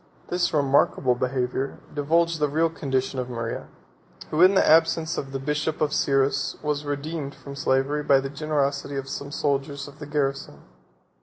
This remarkable behavior divulged the real condition of Maria, who, in the absence of the bishop of Cyrrhus, was redeemed from slavery by the generosity of some soldiers of the garrison.